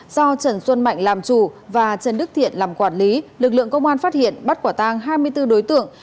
do trần xuân mạnh làm chủ và trần đức thiện làm quản lý lực lượng công an phát hiện bắt quả tang hai mươi bốn đối tượng